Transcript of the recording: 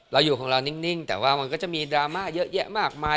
เราอยู่ของเรานิ่งแต่ว่ามันก็จะมีดราม่าเยอะแยะมากมาย